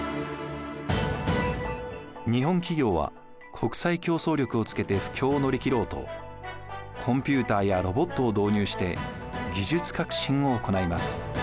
日本企業は国際競争力をつけて不況を乗り切ろうとコンピューターやロボットを導入して技術革新を行います。